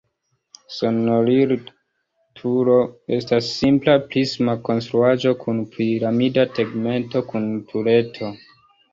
Sonorilturo estas simpla prisma konstruaĵo kun piramida tegmento kun tureto.